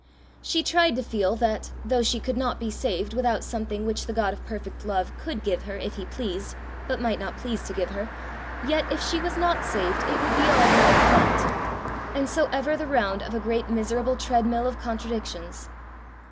She tried to feel that, though she could not be saved without something which the God of perfect love could give her if he pleased, but might not please to give her, yet if she was not saved it would be all her own fault: and so ever the round of a great miserable treadmill of contradictions!